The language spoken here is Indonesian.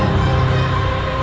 yang aku pikirkan adalah